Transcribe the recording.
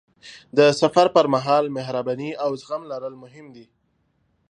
د سفر پر مهال مهرباني او زغم لرل مهم دي.